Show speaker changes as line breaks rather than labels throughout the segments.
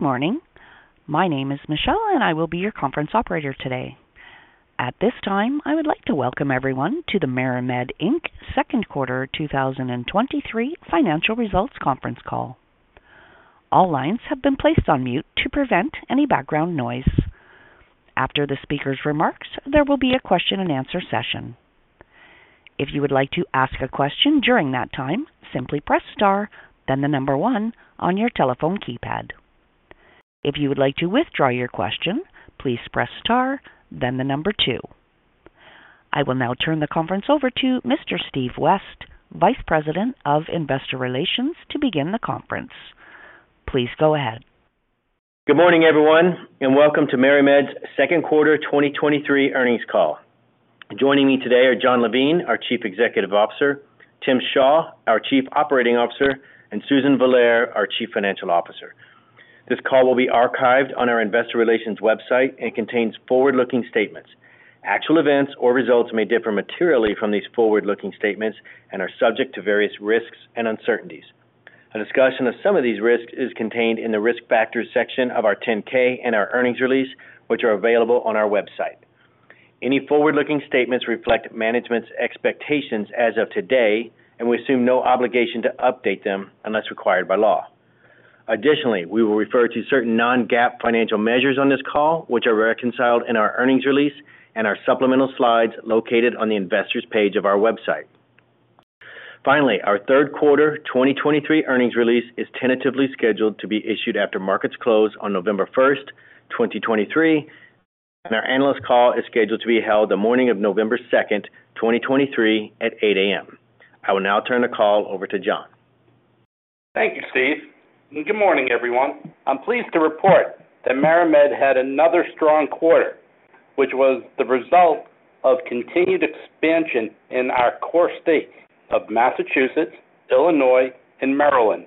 Good morning. My name is Michelle, and I will be your conference operator today. At this time, I would like to welcome everyone to the MariMed Inc. Second Quarter 2023 Financial Results Conference Call. All lines have been placed on mute to prevent any background noise. After the speaker's remarks, there will be a question-and-answer session. If you would like to ask a question during that time, simply press * then the number one on your telephone keypad. If you would like to withdraw your question, please press * then the number two. I will now turn the conference over to Mr. Steve West, Vice President of Investor Relations, to begin the conference. Please go ahead.
Good morning, everyone, welcome to MariMed's second quarter 2023 earnings call. Joining me today are Jon Levine, our Chief Executive Officer, Tim Shaw, our Chief Operating Officer, and Susan Villare, our Chief Financial Officer. This call will be archived on our investor relations website and contains forward-looking statements. Actual events or results may differ materially from these forward-looking statements and are subject to various risks and uncertainties. A discussion of some of these risks is contained in the Risk Factors section of our 10-K and our earnings release, which are available on our website. Any forward-looking statements reflect management's expectations as of today, and we assume no obligation to update them unless required by law. Additionally, we will refer to certain non-GAAP financial measures on this call, which are reconciled in our earnings release and our supplemental slides located on the Investors page of our website. Finally, our third quarter 2023 earnings release is tentatively scheduled to be issued after markets close on November 1, 2023. Our analyst call is scheduled to be held the morning of November 2, 2023 at 8:00 A.M. I will now turn the call over to Jon.
Thank you, Steve, and good morning, everyone. I'm pleased to report that MariMed had another strong quarter, which was the result of continued expansion in our core states of Massachusetts, Illinois, and Maryland,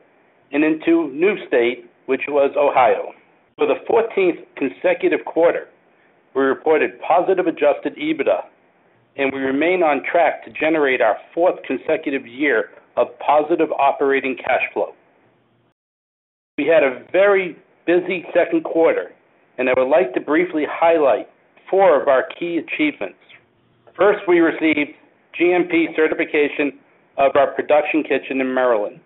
and into new state, which was Ohio. For the 14th consecutive quarter, we reported positive adjusted EBITDA, and we remain on track to generate our fourth consecutive year of positive operating cash flow. We had a very busy second quarter, and I would like to briefly highlight 4 of our key achievements. First, we received GMP certification of our production kitchen in Maryland,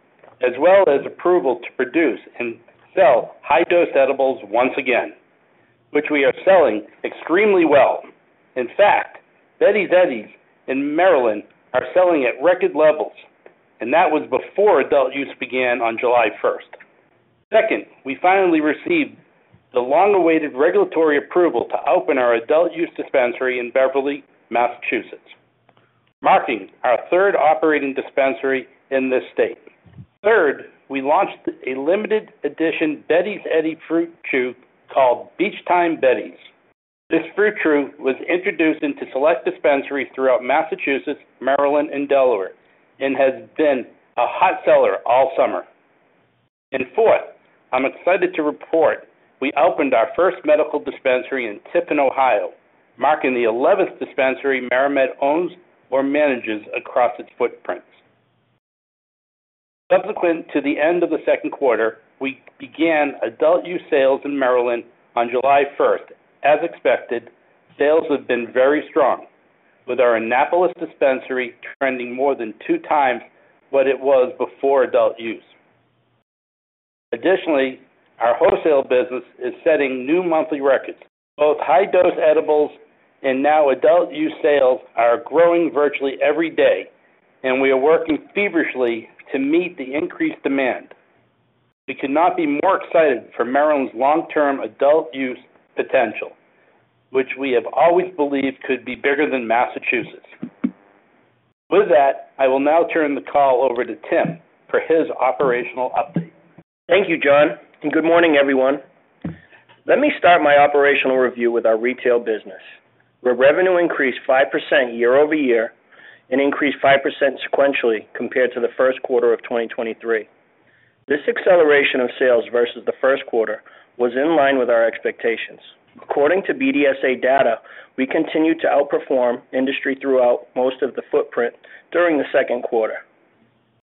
as well as approval to produce and sell high-dose edibles once again, which we are selling extremely well. In fact, Betty's Eddies in Maryland are selling at record levels, and that was before adult use began on July 1st. Second, we finally received the long-awaited regulatory approval to open our adult use dispensary in Beverly, Massachusetts, marking our third operating dispensary in this state. Third, we launched a limited edition Betty's Eddies fruit chew called Beach Time Betties. This fruit chew was introduced into select dispensaries throughout Massachusetts, Maryland, and Delaware and has been a hot seller all summer. Fourth, I'm excited to report we opened our first medical dispensary in Tiffin, Ohio, marking the 11th dispensary MariMed owns or manages across its footprints. Subsequent to the end of the second quarter, we began adult use sales in Maryland on July 1st. As expected, sales have been very strong, with our Annapolis dispensary trending more than 2 times what it was before adult use. Additionally, our wholesale business is setting new monthly records. Both high-dose edibles and now adult use sales are growing virtually every day, and we are working feverishly to meet the increased demand. We could not be more excited for Maryland's long-term adult use potential, which we have always believed could be bigger than Massachusetts. With that, I will now turn the call over to Tim for his operational update.
Thank you, Jon, and good morning, everyone. Let me start my operational review with our retail business, where revenue increased 5% year-over-year and increased 5% sequentially compared to the 1Q 2023. This acceleration of sales versus the 1Q was in line with our expectations. According to BDSA data, we continued to outperform industry throughout most of the footprint during the 2Q.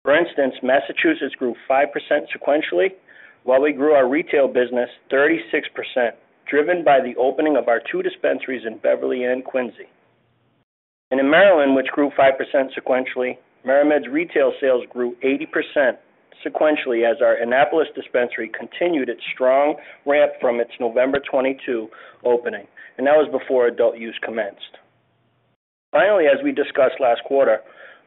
For instance, Massachusetts grew 5% sequentially, while we grew our retail business 36%, driven by the opening of our 2 dispensaries in Beverly and Quincy. In Maryland, which grew 5% sequentially, MariMed's retail sales grew 80% sequentially as our Annapolis dispensary continued its strong ramp from its November 2022 opening, and that was before adult use commenced. Finally, as we discussed last quarter,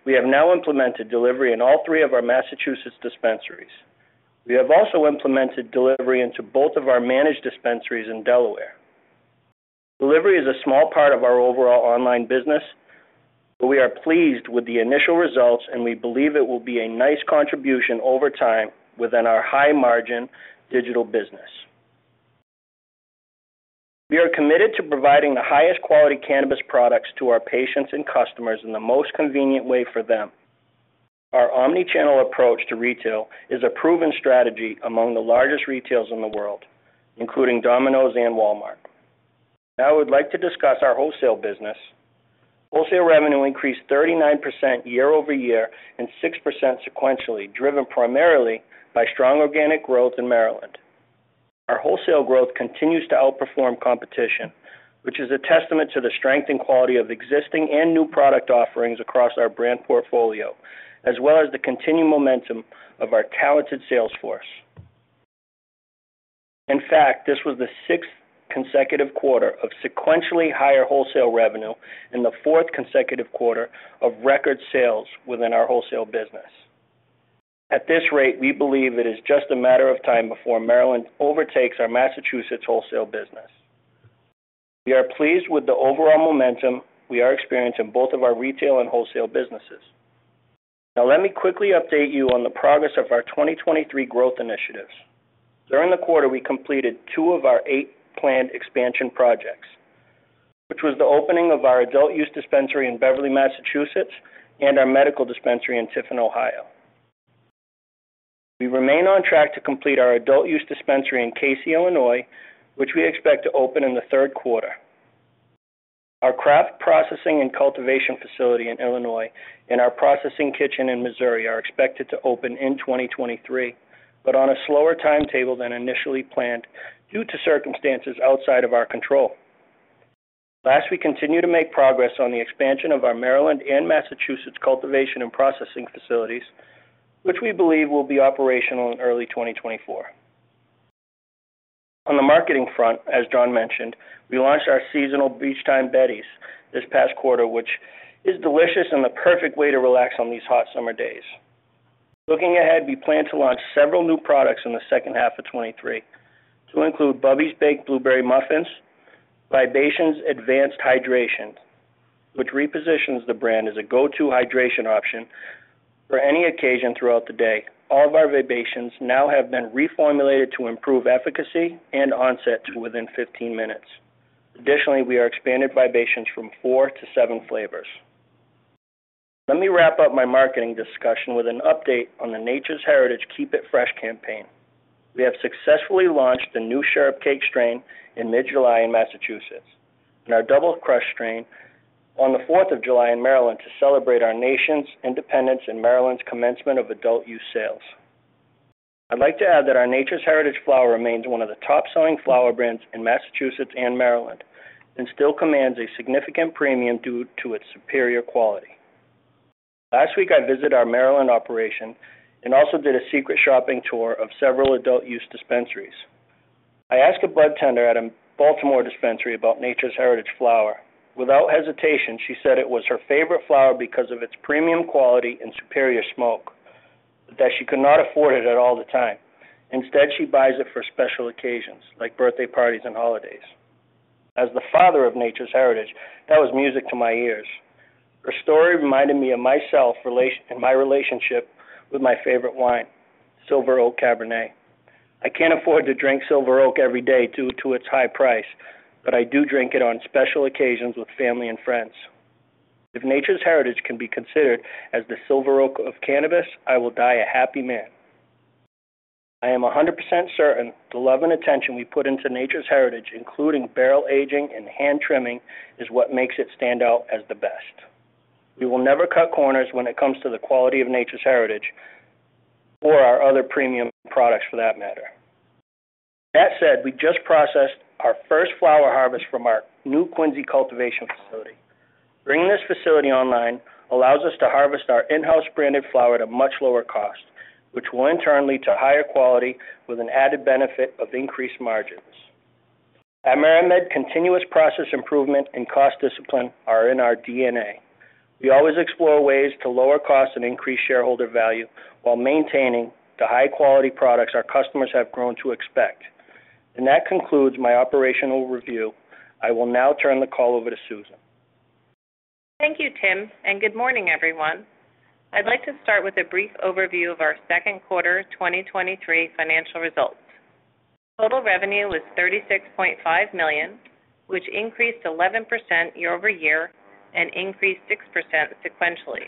we have now implemented delivery in all 3 of our Massachusetts dispensaries. We have also implemented delivery into both of our managed dispensaries in Delaware. Delivery is a small part of our overall online business, but we are pleased with the initial results, and we believe it will be a nice contribution over time within our high-margin digital business. We are committed to providing the highest quality cannabis products to our patients and customers in the most convenient way for them. Our omnichannel approach to retail is a proven strategy among the largest retailers in the world, including Domino's and Walmart....I would like to discuss our wholesale business. Wholesale revenue increased 39% year-over-year and 6% sequentially, driven primarily by strong organic growth in Maryland. Our wholesale growth continues to outperform competition, which is a testament to the strength and quality of existing and new product offerings across our brand portfolio, as well as the continued momentum of our talented sales force. In fact, this was the sixth consecutive quarter of sequentially higher wholesale revenue and the fourth consecutive quarter of record sales within our wholesale business. At this rate, we believe it is just a matter of time before Maryland overtakes our Massachusetts wholesale business. We are pleased with the overall momentum we are experiencing in both of our retail and wholesale businesses. Now, let me quickly update you on the progress of our 2023 growth initiatives. During the quarter, we completed 2 of our 8 planned expansion projects, which was the opening of our adult use dispensary in Beverly, Massachusetts, and our medical dispensary in Tiffin, Ohio. We remain on track to complete our adult use dispensary in Casey, Illinois, which we expect to open in the third quarter. Our craft processing and cultivation facility in Illinois and our processing kitchen in Missouri are expected to open in 2023, but on a slower timetable than initially planned, due to circumstances outside of our control. Last, we continue to make progress on the expansion of our Maryland and Massachusetts cultivation and processing facilities, which we believe will be operational in early 2024. On the marketing front, as Jon mentioned, we launched our seasonal Beach Time Betties this past quarter, which is delicious and the perfect way to relax on these hot summer days. Looking ahead, we plan to launch several new products in the second half of 2023 to include Bubby's Baked Blueberry Muffins, Vibations Advanced Hydration, which repositions the brand as a go-to hydration option for any occasion throughout the day. All of our Vibations now have been reformulated to improve efficacy and onset to within 15 minutes. Additionally, we are expanding Vibations from 4 to 7 flavors. Let me wrap up my marketing discussion with an update on the Nature's Heritage Keep It Fresh campaign. We have successfully launched the new Sherbet Cake strain in mid-July in Massachusetts, and our Double Crush strain on the Fourth of July in Maryland to celebrate our nation's independence and Maryland's commencement of adult-use sales. I'd like to add that our Nature's Heritage flower remains one of the top-selling flower brands in Massachusetts and Maryland, and still commands a significant premium due to its superior quality. Last week, I visited our Maryland operation and also did a secret shopping tour of several adult use dispensaries. I asked a budtender at a Baltimore dispensary about Nature's Heritage flower. Without hesitation, she said it was her favorite flower because of its premium quality and superior smoke, but that she could not afford it at all the time. Instead, she buys it for special occasions like birthday parties and holidays. As the father of Nature's Heritage, that was music to my ears. Her story reminded me of myself and my relationship with my favorite wine, Silver Oak Cabernet. I can't afford to drink Silver Oak every day due to its high price, but I do drink it on special occasions with family and friends. If Nature's Heritage can be considered as the Silver Oak of cannabis, I will die a happy man. I am 100% certain the love and attention we put into Nature's Heritage, including barrel aging and hand trimming, is what makes it stand out as the best. We will never cut corners when it comes to the quality of Nature's Heritage, or our other premium products for that matter. That said, we just processed our first flower harvest from our new Quincy cultivation facility. Bringing this facility online allows us to harvest our in-house branded flower at a much lower cost, which will in turn lead to higher quality with an added benefit of increased margins. At MariMed, continuous process improvement and cost discipline are in our DNA. We always explore ways to lower costs and increase shareholder value while maintaining the high-quality products our customers have grown to expect. That concludes my operational review. I will now turn the call over to Susan.
Thank you, Tim, and good morning, everyone. I'd like to start with a brief overview of our second quarter 2023 financial results. Total revenue was $36.5 million, which increased 11% year-over-year and increased 6% sequentially.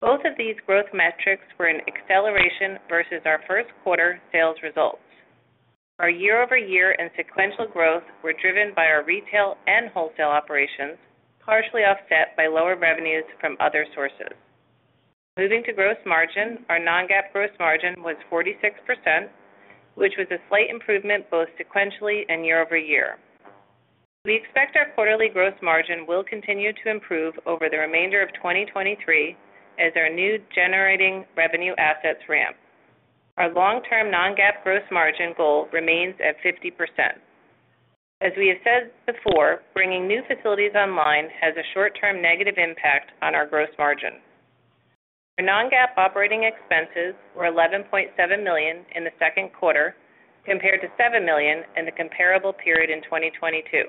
Both of these growth metrics were an acceleration versus our first quarter sales results. Our year-over-year and sequential growth were driven by our retail and wholesale operations, partially offset by lower revenues from other sources. Moving to gross margin, our non-GAAP gross margin was 46%, which was a slight improvement both sequentially and year-over-year. We expect our quarterly gross margin will continue to improve over the remainder of 2023 as our new generating revenue assets ramp. Our long-term non-GAAP gross margin goal remains at 50%. As we have said before, bringing new facilities online has a short-term negative impact on our gross margin. Our non-GAAP operating expenses were $11.7 million in the second quarter, compared to $7 million in the comparable period in 2022.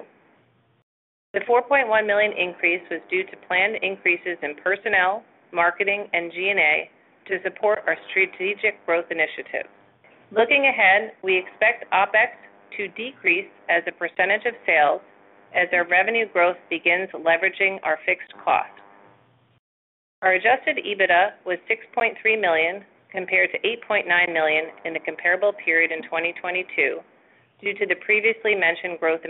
The $4.1 million increase was due to planned increases in personnel, marketing, and G&A to support our strategic growth initiatives. Looking ahead, we expect OpEx to decrease as a percentage of sales as our revenue growth begins leveraging our fixed cost. Our adjusted EBITDA was $6.3 million, compared to $8.9 million in the comparable period in 2022, due to the previously mentioned growth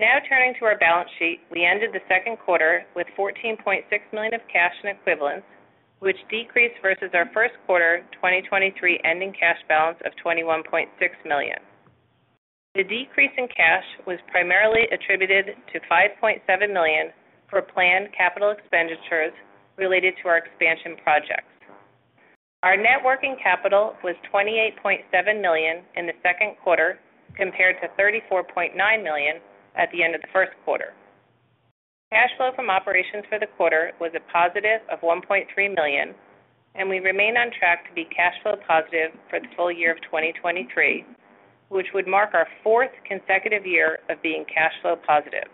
investment. Turning to our balance sheet. We ended the second quarter with $14.6 million of cash and equivalents, which decreased versus our first quarter 2023 ending cash balance of $21.6 million. The decrease in cash was primarily attributed to $5.7 million for planned capital expenditures related to our expansion projects. Our net working capital was $28.7 million in the second quarter, compared to $34.9 million at the end of the first quarter. Cash flow from operations for the quarter was a positive of $1.3 million, and we remain on track to be cash flow positive for the full year of 2023, which would mark our fourth consecutive year of being cash flow positive.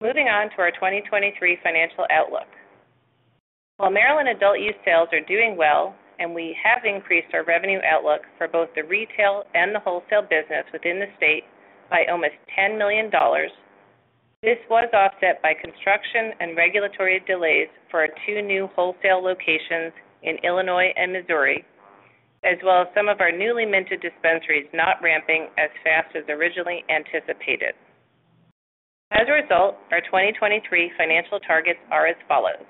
Moving on to our 2023 financial outlook. While Maryland adult use sales are doing well, and we have increased our revenue outlook for both the retail and the wholesale business within the state by almost $10 million, this was offset by construction and regulatory delays for our two new wholesale locations in Illinois and Missouri, as well as some of our newly minted dispensaries not ramping as fast as originally anticipated. As a result, our 2023 financial targets are as follows: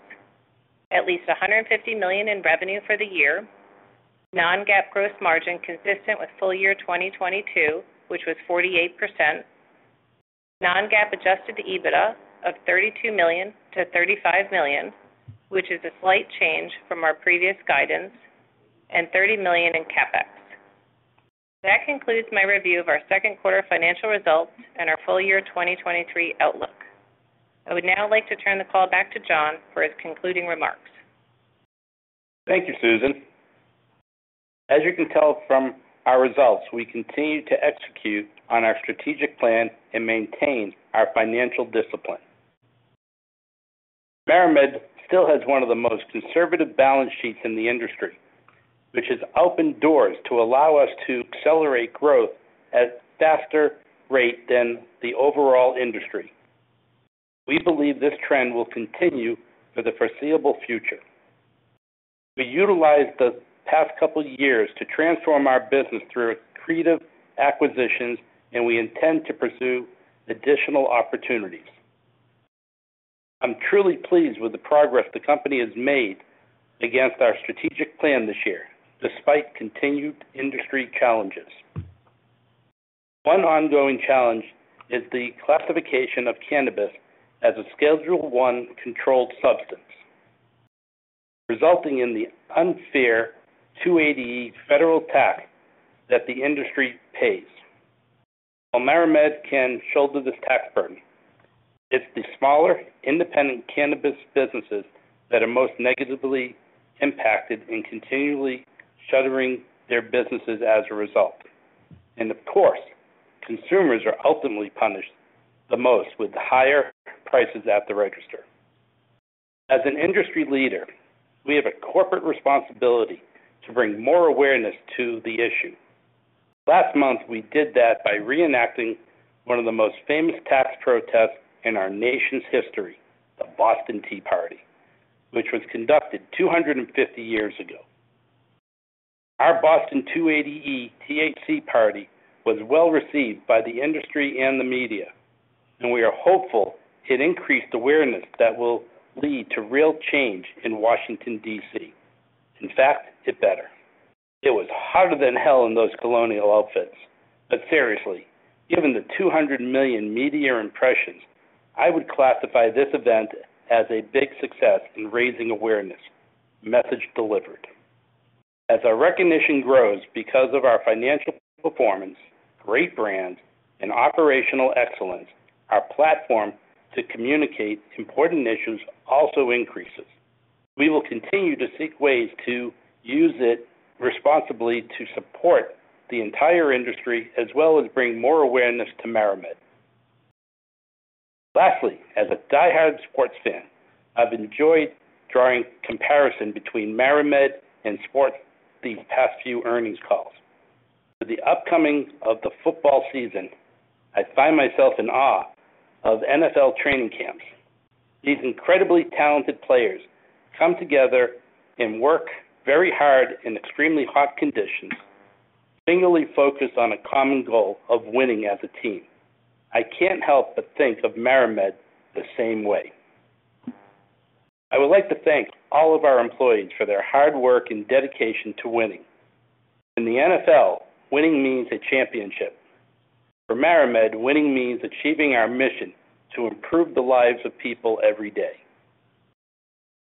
at least $150 million in revenue for the year, non-GAAP gross margin, consistent with full year 2022, which was 48%, non-GAAP adjusted EBITDA of $32 million-$35 million, which is a slight change from our previous guidance, and $30 million in CapEx. That concludes my review of our second quarter financial results and our full year 2023 outlook. I would now like to turn the call back to Jon for his concluding remarks.
Thank you, Susan. As you can tell from our results, we continue to execute on our strategic plan and maintain our financial discipline. MariMed still has one of the most conservative balance sheets in the industry, which has opened doors to allow us to accelerate growth at faster rate than the overall industry. We believe this trend will continue for the foreseeable future. We utilized the past 2 years to transform our business through accretive acquisitions. We intend to pursue additional opportunities. I'm truly pleased with the progress the company has made against our strategic plan this year, despite continued industry challenges. One ongoing challenge is the classification of cannabis as a Schedule I controlled substance, resulting in the unfair 280E federal tax that the industry pays. While MariMed can shoulder this tax burden, it's the smaller, independent cannabis businesses that are most negatively impacted in continually shuttering their businesses as a result. Of course, consumers are ultimately punished the most with higher prices at the register. As an industry leader, we have a corporate responsibility to bring more awareness to the issue. Last month, we did that by reenacting one of the most famous tax protests in our nation's history, the Boston Tea Party, which was conducted 250 years ago. Our Boston THC Party was well-received by the industry and the media. We are hopeful it increased awareness that will lead to real change in Washington, D.C. In fact, it better. It was hotter than hell in those colonial outfits. Seriously, given the 200 million media impressions, I would classify this event as a big success in raising awareness. Message delivered. As our recognition grows because of our financial performance, great brands, and operational excellence, our platform to communicate important issues also increases. We will continue to seek ways to use it responsibly to support the entire industry, as well as bring more awareness to MariMed. Lastly, as a diehard sports fan, I've enjoyed drawing comparison between MariMed and sports these past few earnings calls. For the upcoming of the football season, I find myself in awe of NFL training camps. These incredibly talented players come together and work very hard in extremely hot conditions, singly focused on a common goal of winning as a team. I can't help but think of MariMed the same way. I would like to thank all of our employees for their hard work and dedication to winning. In the NFL, winning means a championship. For MariMed, winning means achieving our mission to improve the lives of people every day.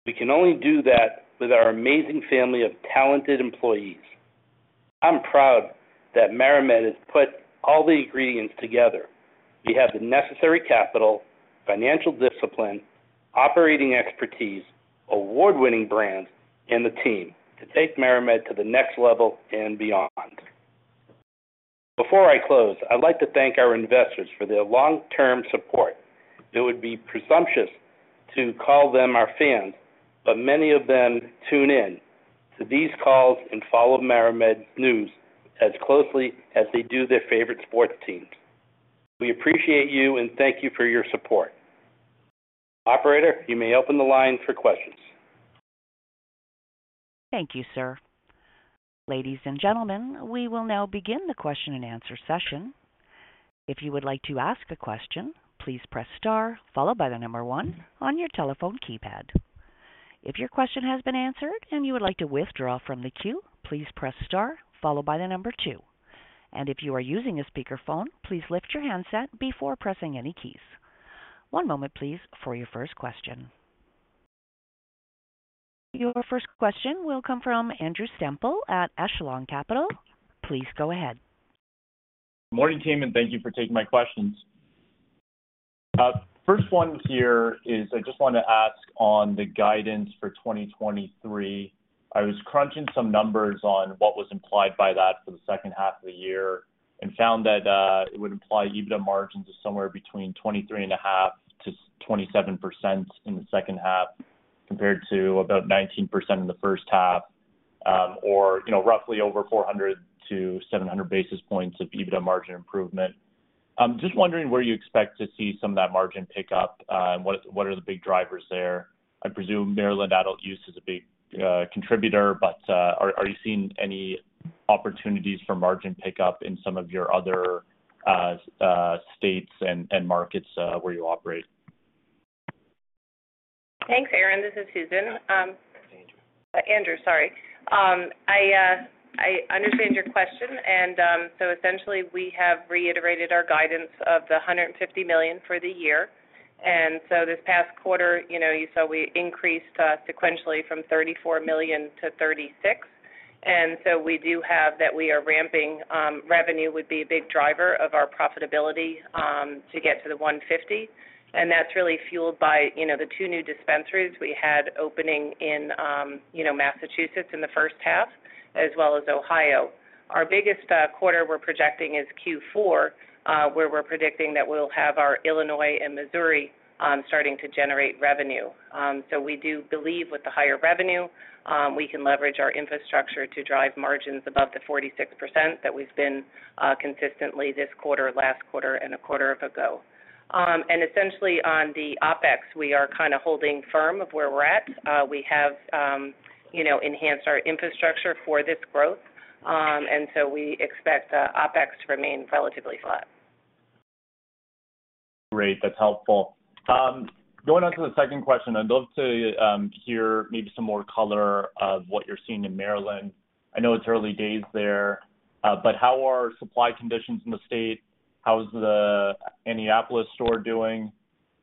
We can only do that with our amazing family of talented employees. I'm proud that MariMed has put all the ingredients together. We have the necessary capital, financial discipline, operating expertise, award-winning brands, and the team to take MariMed to the next level and beyond. Before I close, I'd like to thank our investors for their long-term support. It would be presumptuous to call them our fans, but many of them tune in....
to these calls and follow MariMed's news as closely as they do their favorite sports teams. We appreciate you and thank you for your support. Operator, you may open the line for questions.
Thank you, sir. Ladies and gentlemen, we will now begin the question and answer session. If you would like to ask a question, please press * followed by the 1 on your telephone keypad. If your question has been answered and you would like to withdraw from the queue, please press * followed by the 2. If you are using a speakerphone, please lift your handset before pressing any keys. One moment please, for your first question. Your first question will come from Andrew Semple at Echelon Capital. Please go ahead.
Morning, team, thank you for taking my questions. First one here is I just want to ask on the guidance for 2023. I was crunching some numbers on what was implied by that for the second half of the year and found that it would imply EBITDA margins of somewhere between 23.5%-27% in the second half, compared to about 19% in the first half, or you know, roughly over 400-700 basis points of EBITDA margin improvement. Just wondering where you expect to see some of that margin pick up, and what is-- what are the big drivers there? I presume Maryland adult use is a big contributor, but are, are you seeing any opportunities for margin pick up in some of your other states and markets where you operate?
Thanks, Aaron. This is Susan.
It's Andrew.
Andrew, sorry. I understand your question, essentially we have reiterated our guidance of the $150 million for the year. This past quarter, you know, you saw we increased sequentially from $34 million to $36 million. We do have that we are ramping. Revenue would be a big driver of our profitability to get to the $150 million, and that's really fueled by, you know, the two new dispensaries we had opening in, you know, Massachusetts in the first half, as well as Ohio. Our biggest quarter we're projecting is Q4, where we're predicting that we'll have our Illinois and Missouri starting to generate revenue. We do believe with the higher revenue, we can leverage our infrastructure to drive margins above the 46% that we've been consistently this quarter, last quarter and a quarter of ago. On the OpEx, we are kind of holding firm of where we're at. We have, you know, enhanced our infrastructure for this growth. We expect OpEx to remain relatively flat.
Great. That's helpful. Going on to the second question, I'd love to hear maybe some more color of what you're seeing in Maryland. I know it's early days there, how are supply conditions in the state? How is the Annapolis store doing?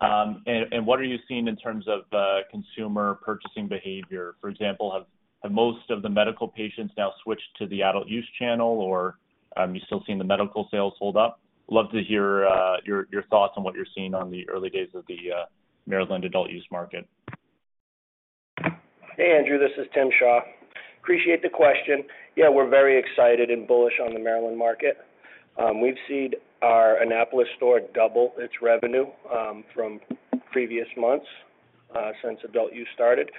What are you seeing in terms of consumer purchasing behavior? For example, have most of the medical patients now switched to the adult use channel, or you still seeing the medical sales hold up? Love to hear your thoughts on what you're seeing on the early days of the Maryland adult use market.
Hey, Andrew, this is Tim Shaw. Appreciate the question. Yeah, we're very excited and bullish on the Maryland market. We've seen our Annapolis store double its revenue from previous months since adult use started.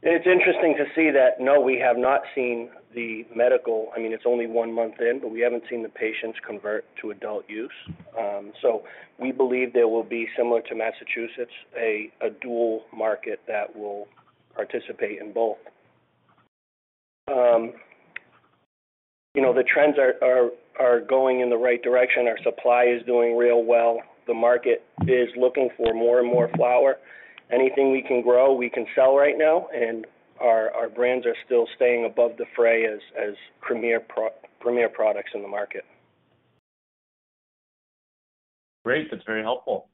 It's interesting to see that no, we have not seen the medical. I mean, it's only one month in, but we haven't seen the patients convert to adult use. We believe there will be similar to Massachusetts, a dual market that will participate in both. You know, the trends are going in the right direction. Our supply is doing real well. The market is looking for more and more flower. Anything we can grow, we can sell right now, and our brands are still staying above the fray as premier products in the market.
Great, that's very helpful.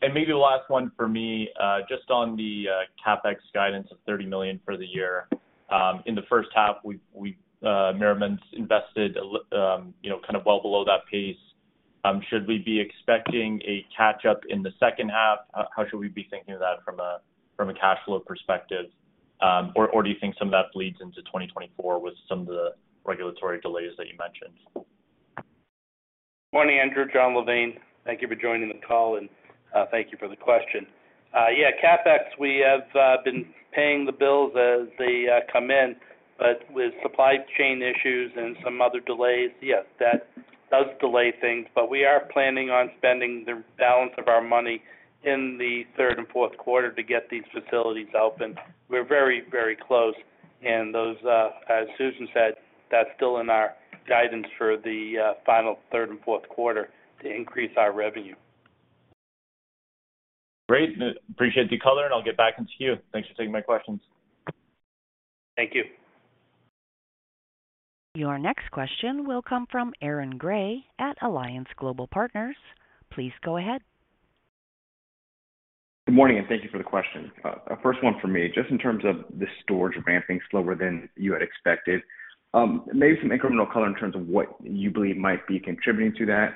Maybe the last one for me, just on the CapEx guidance of $30 million for the year. In the first half, we, MariMed's invested a li, you know, kind of well below that pace. Should we be expecting a catch-up in the second half? How should we be thinking of that from a, from a cash flow perspective? Or, or do you think some of that bleeds into 2024 with some of the regulatory delays that you mentioned?
Morning, Andrew. Jon Levine. Thank you for joining the call, thank you for the question. Yeah, CapEx, we have been paying the bills as they come in, with supply chain issues and some other delays, yes, that does delay things. We are planning on spending the balance of our money in the third and fourth quarter to get these facilities open. We're very, very close, those as Susan said, that's still in our guidance for the final third and fourth quarter to increase our revenue.
Great. Appreciate the color, and I'll get back into queue. Thanks for taking my questions.
Thank you.
Your next question will come from Aaron Gray at Alliance Global Partners. Please go ahead.
Good morning, thank you for the question. A first one for me, just in terms of the stores ramping slower than you had expected, maybe some incremental color in terms of what you believe might be contributing to that,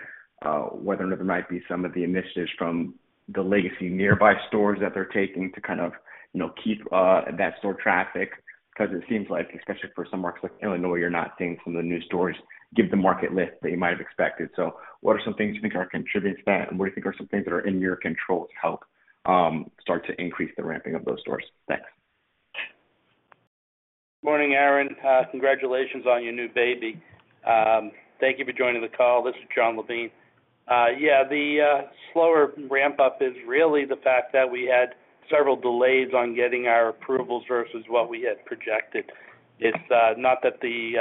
whether or not there might be some of the initiatives from the legacy nearby stores that they're taking to kind of, you know, keep that store traffic. It seems like especially for some markets like Illinois, you're not seeing some of the new stores give the market lift that you might have expected. What are some things you think are contributing to that, and what do you think are some things that are in your control to help?...
start to increase the ramping of those stores? Thanks.
Morning, Aaron. Congratulations on your new baby. Thank you for joining the call. This is Jon Levine. Yeah, the slower ramp-up is really the fact that we had several delays on getting our approvals versus what we had projected. It's not that the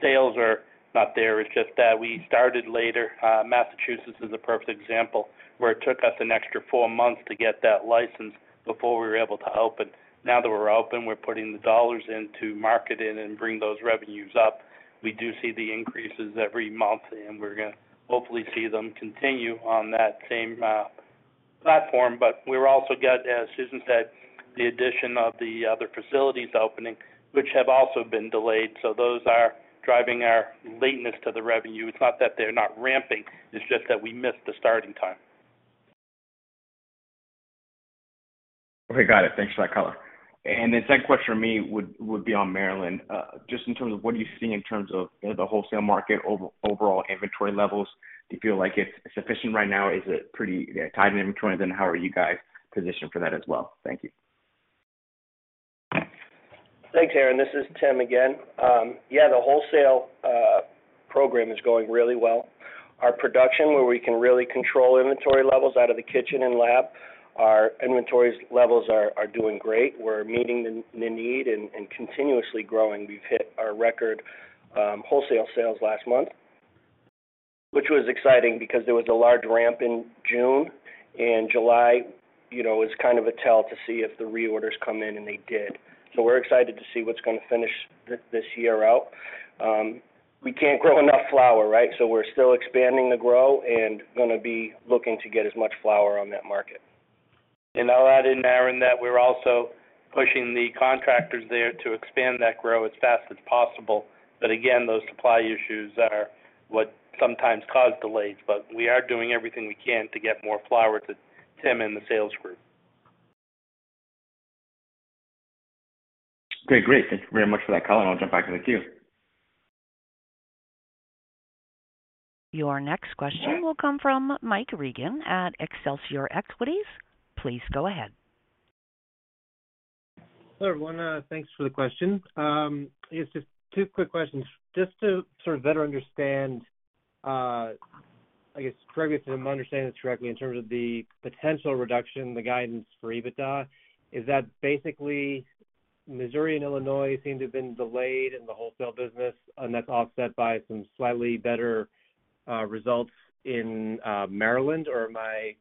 sales are not there, it's just that we started later. Massachusetts is a perfect example, where it took us an extra four months to get that license before we were able to open. Now that we're open, we're putting the dollars into marketing and bring those revenues up. We do see the increases every month, and we're going to hopefully see them continue on that same platform. We're also get, as Susan said, the addition of the other facilities opening, which have also been delayed, so those are driving our lateness to the revenue. It's not that they're not ramping, it's just that we missed the starting time.
Okay, got it. Thanks for that color. The second question from me would be on Maryland. Just in terms of what do you see in terms of the wholesale market, overall inventory levels? Do you feel like it's sufficient right now? Is it pretty tight inventory, and then how are you guys positioned for that as well? Thank you.
Thanks, Aaron. This is Tim again. Yeah, the wholesale program is going really well. Our production, where we can really control inventory levels out of the kitchen and lab, our inventory levels are, are doing great. We're meeting the, the need and, and continuously growing. We've hit our record wholesale sales last month, which was exciting because there was a large ramp in June, July, you know, is kind of a tell to see if the reorders come in, and they did. We're excited to see what's going to finish this, this year out. We can't grow enough flower, right? We're still expanding the grow and going to be looking to get as much flower on that market.
I'll add in, Aaron, that we're also pushing the contractors there to expand that grow as fast as possible. Again, those supply issues are what sometimes cause delays, but we are doing everything we can to get more flower to Tim and the sales group.
Great. Great. Thank you very much for that color. I'll jump back in the queue.
Your next question will come from Mike Regan at Excelsior Equities. Please go ahead.
Hello, everyone. Thanks for the question. I guess just two quick questions. Just to sort of better understand, I guess, correct me if I'm understanding this correctly, in terms of the potential reduction, the guidance for EBITDA, is that basically Missouri and Illinois seem to have been delayed in the wholesale business, and that's offset by some slightly better results in Maryland? Or am I...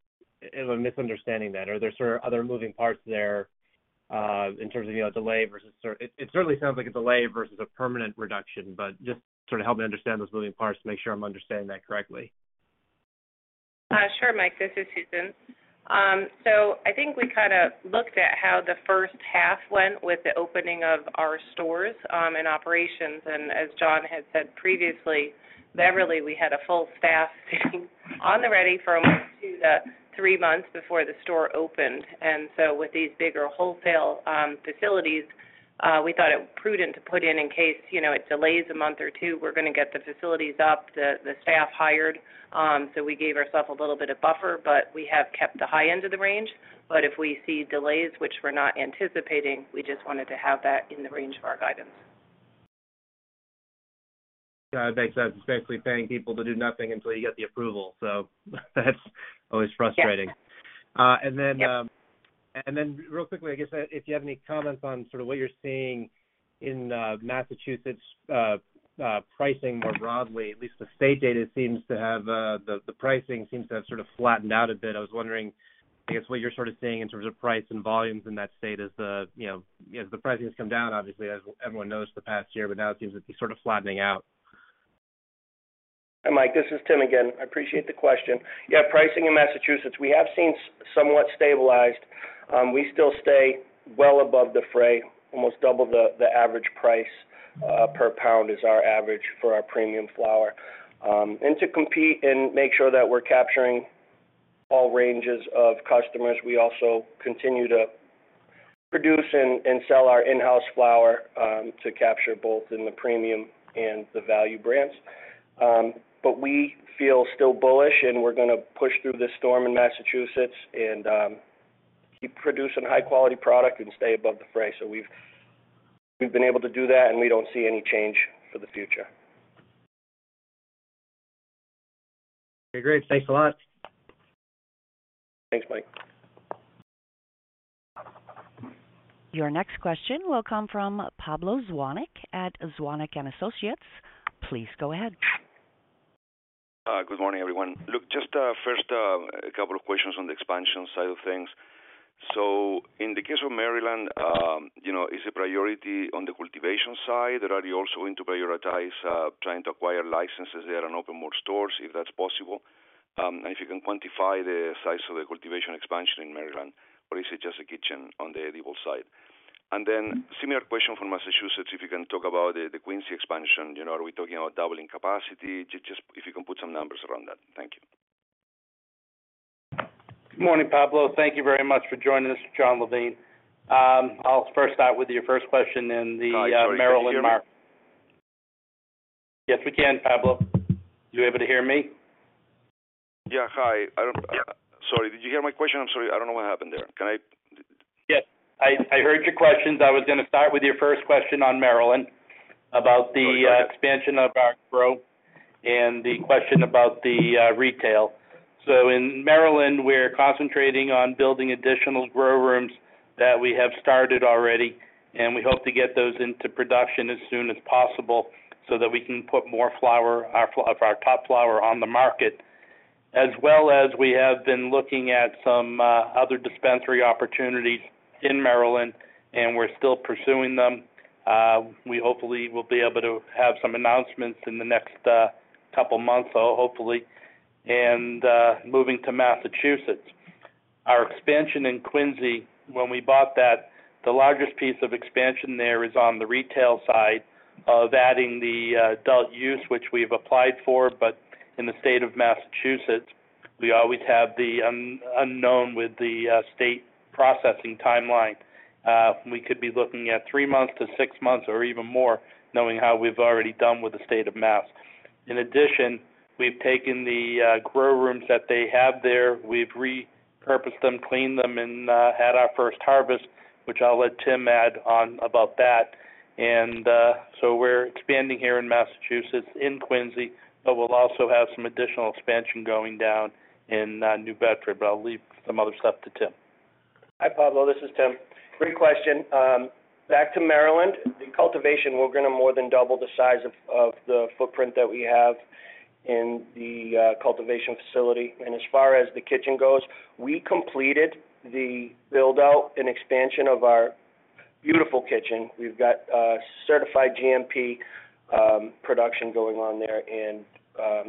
Am I misunderstanding that, or are there sort of other moving parts there, in terms of, you know, delay versus sort of- it, it certainly sounds like a delay versus a permanent reduction, but just sort of help me understand those moving parts to make sure I'm understanding that correctly.
Sure, Mike. This is Susan. I think we kind of looked at how the first half went with the opening of our stores and operations. As Jon had said previously, Beverly, we had a full staff sitting on the ready for almost 2 to 3 months before the store opened. With these bigger wholesale facilities, we thought it prudent to put in, in case, you know, it delays a month or 2, we're going to get the facilities up, the staff hired. We gave ourselves a little bit of buffer, but we have kept the high end of the range. If we see delays, which we're not anticipating, we just wanted to have that in the range of our guidance.
Yeah, I think that's basically paying people to do nothing until you get the approval. That's always frustrating.
Yes.
Then.
Yep.
Real quickly, I guess, if you have any comments on sort of what you're seeing in Massachusetts pricing more broadly, at least the state data seems to have the pricing seems to have sort of flattened out a bit. I was wondering, I guess, what you're sort of seeing in terms of price and volumes in that state as the, you know, as the pricing has come down, obviously, as everyone knows, the past year, but now it seems to be sort of flattening out.
Hi, Mike, this is Tim again. I appreciate the question. Yeah, pricing in Massachusetts, we have seen somewhat stabilized. We still stay well above the fray. Almost double the, the average price per pound is our average for our premium flower. To compete and make sure that we're capturing all ranges of customers, we also continue to produce and sell our in-house flower to capture both in the premium and the value brands. We feel still bullish, and we're going to push through this storm in Massachusetts and keep producing high-quality product and stay above the fray. We've, we've been able to do that, and we don't see any change for the future.
Okay, great. Thanks a lot.
Thanks, Mike.
Your next question will come from Pablo Zuanic at Zuanic & Associates. Please go ahead.
Good morning, everyone. Look, just, first, a couple of questions on the expansion side of things. In the case of Maryland, you know, is the priority on the cultivation side, or are you also going to prioritize trying to acquire licenses there and open more stores, if that's possible? If you can quantify the size of the cultivation expansion in Maryland, or is it just a kitchen on the edible side? Similar question for Massachusetts, if you can talk about the Quincy expansion. You know, are we talking about doubling capacity? Just if you can put some numbers around that. Thank you.
Good morning, Pablo. Thank you very much for joining us. Jon Levine. I'll first start with your first question in the Maryland market.
Yes, we can, Pablo. You able to hear me?
Yeah. Hi, Sorry, did you hear my question? I'm sorry. I don't know what happened there.
Yes, I, I heard your questions. I was going to start with your first question on Maryland, about the-
Okay.
expansion of our grow and the question about the retail. In Maryland, we're concentrating on building additional grow rooms that we have started already, and we hope to get those into production as soon as possible, so that we can put more flower, our, of our top flower on the market. As well as we have been looking at some other dispensary opportunities in Maryland, and we're still pursuing them. We hopefully will be able to have some announcements in the next couple months, hopefully. Moving to Massachusetts. Our expansion in Quincy, when we bought that, the largest piece of expansion there is on the retail side of adding the adult use, which we've applied for. In the state of Massachusetts, we always have the unknown with the state processing timeline. We could be looking at three months to six months or even more, knowing how we've already done with the state of Mass. In addition, we've taken the grow rooms that they have there. We've repurposed them, cleaned them, and had our first harvest, which I'll let Tim add on about that. So we're expanding here in Massachusetts, in Quincy, but we'll also have some additional expansion going down in New Bedford. I'll leave some other stuff to Tim.
Hi, Pablo, this is Tim. Great question. Back to Maryland, the cultivation, we're going to more than double the size of the footprint that we have in the cultivation facility. As far as the kitchen goes, we completed the build-out and expansion of our beautiful kitchen. We've got a certified GMP production going on there, and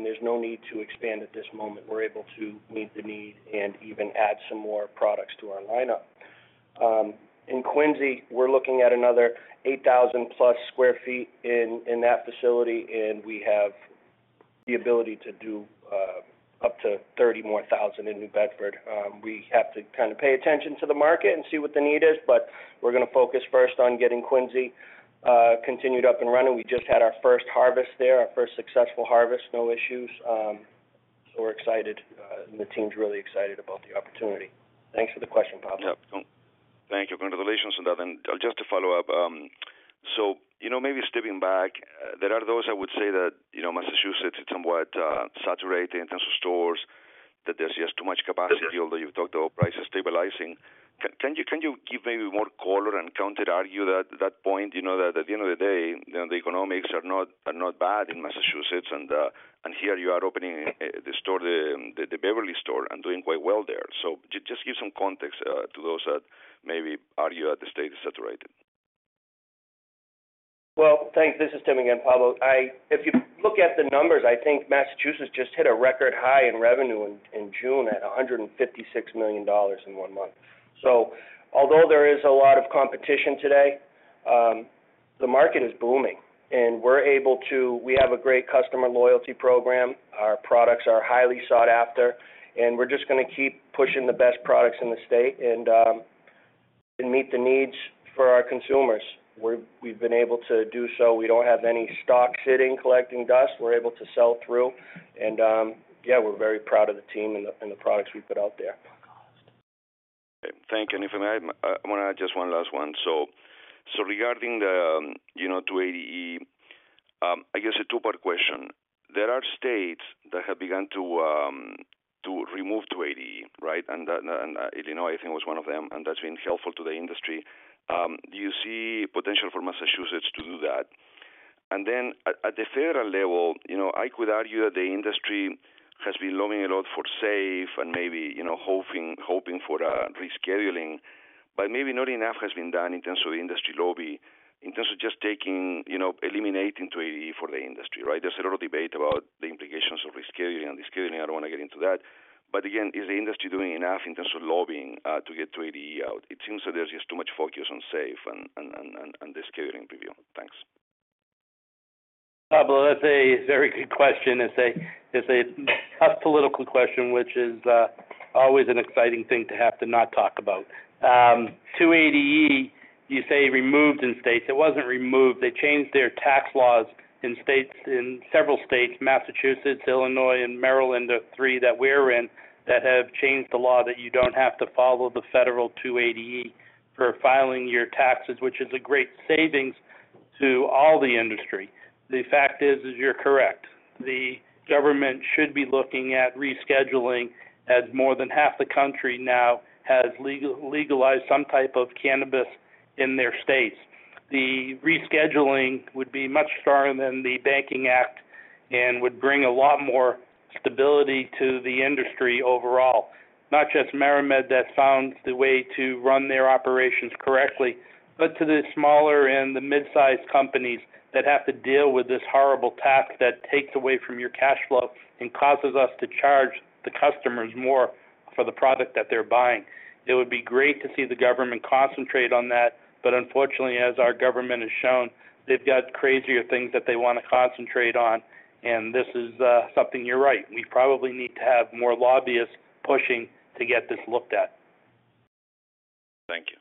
there's no need to expand at this moment. We're able to meet the need and even add some more products to our lineup. In Quincy, we're looking at another 8,000+ sq ft in that facility, and we have the ability to do up to 30,000 more in New Bedford. We have to kind of pay attention to the market and see what the need is, but we're going to focus first on getting Quincy continued up and running. We just had our first harvest there, our first successful harvest, no issues. We're excited. The team's really excited about the opportunity. Thanks for the question, Pablo.
Yeah. Thank you. Congratulations on that. Just to follow up, so you know, maybe stepping back, there are those I would say that, you know, Massachusetts is somewhat saturated in terms of stores, that there's just too much capacity, although you've talked about prices stabilizing. Can you, can you give maybe more color and counterargue that, that point, you know, that at the end of the day, you know, the economics are not, are not bad in Massachusetts, and here you are opening the store, the Beverly store, and doing quite well there. Just give some context to those that maybe argue that the state is saturated.
Well, thanks. This is Tim again, Pablo. If you look at the numbers, I think Massachusetts just hit a record high in revenue in June, at $156 million in one month. Although there is a lot of competition today, the market is booming, and we have a great customer loyalty program. Our products are highly sought after, and we're just going to keep pushing the best products in the state and meet the needs for our consumers. We've, we've been able to do so. We don't have any stock sitting, collecting dust. We're able to sell through, and, yeah, we're very proud of the team and the, and the products we put out there.
Thank you. If I may, I want to add just one last one. Regarding the, you know, 280E, I guess a 2-part question: There are states that have begun to remove 280E, right? That, and, Illinois, I think, was one of them, and that's been helpful to the industry. Do you see potential for Massachusetts to do that? Then at, at the federal level, you know, I could argue that the industry has been lobbying a lot for SAFE and maybe, you know, hoping, hoping for a rescheduling, but maybe not enough has been done in terms of industry lobby, in terms of just taking, you know, eliminating 280E for the industry, right? There's a lot of debate about the implications of rescheduling and scheduling. I don't want to get into that. Again, is the industry doing enough in terms of lobbying, to get 280E out? It seems that there's just too much focus on SAFE and the scheduling review. Thanks.
Pablo, that's a very good question. It's a, it's a tough political question, which is always an exciting thing to have to not talk about. 280E, you say, removed in states. It wasn't removed. They changed their tax laws in states, in several states, Massachusetts, Illinois, and Maryland, the three that we're in, that have changed the law, that you don't have to follow the federal 280E for filing your taxes, which is a great savings to all the industry. The fact is, is you're correct. The government should be looking at rescheduling, as more than half the country now has legal- legalized some type of cannabis in their states. The rescheduling would be much stronger than the Banking Act and would bring a lot more stability to the industry overall. Not just MariMed, that found the way to run their operations correctly, but to the smaller and the mid-sized companies that have to deal with this horrible task that takes away from your cash flow and causes us to charge the customers more for the product that they're buying. It would be great to see the government concentrate on that. Unfortunately, as our government has shown, they've got crazier things that they want to concentrate on. This is something you're right. We probably need to have more lobbyists pushing to get this looked at.
Thank you.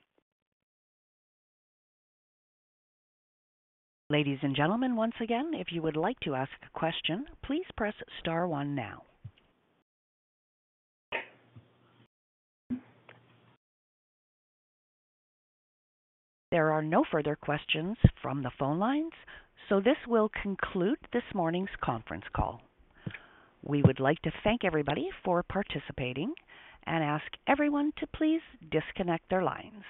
Ladies and gentlemen, once again, if you would like to ask a question, please press * 1 now. There are no further questions from the phone lines, so this will conclude this morning's conference call. We would like to thank everybody for participating and ask everyone to please disconnect their lines.